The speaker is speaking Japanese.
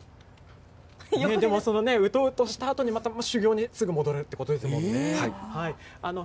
その、うとうとしたあとに修行にすぐ戻るっていうことですもんね。